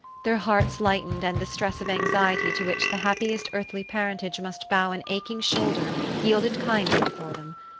Their hearts lightened, and the stress of anxiety to which the happiest earthly parentage must bow an aching shoulder yielded kindly for them.